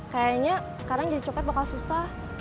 kayaknya sekarang jadi copet bakal susah